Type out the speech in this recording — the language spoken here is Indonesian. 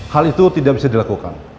hal itu tidak bisa dilakukan